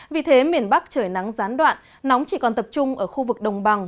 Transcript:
vì thế miền bắc trời nắng gián đoạn nóng chỉ còn tập trung ở khu vực đồng bằng